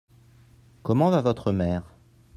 Comment va votre mère ?